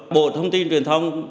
bộ thông tin truyền thông